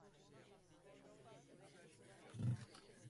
Each district has a capital known as a camptown.